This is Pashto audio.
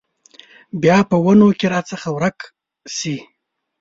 بیا په ونو کې راڅخه ورکه شي